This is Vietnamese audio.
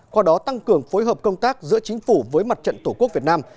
qua đó tăng cường phối hợp công tác giữa chính phủ với mặt trận tổ quốc việt nam